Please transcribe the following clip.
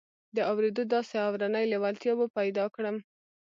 د اورېدو داسې اورنۍ لېوالتیا به پيدا کړم.